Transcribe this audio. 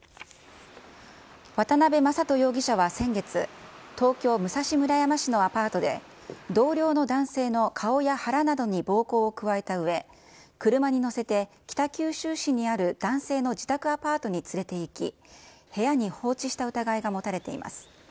渡辺正人容疑者は先月、東京・武蔵村山市のアパートで、同僚の男性の顔や腹などに暴行を加えたうえ、車に乗せて北九州市にある男性の自宅アパートに連れていき、部屋に放置した疑いが持たれています。